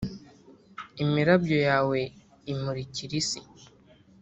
imirabyo yawe imurikira isi,